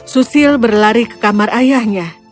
susil berlari ke kamar ayahnya